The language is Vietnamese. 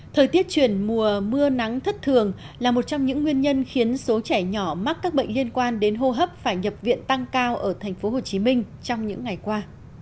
thời tiết chuyển mùa mưa nắng thất thường là một trong những nguyên nhân khiến số trẻ nhỏ mắc các bệnh liên quan đến hô hấp phải nhập viện tăng cao ở tp hcm trong những ngày qua